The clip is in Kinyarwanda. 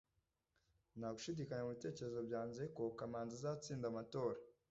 nta gushidikanya mubitekerezo byanjye ko kamanzi azatsinda amatora